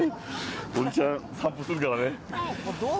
おじちゃん、散歩するからね。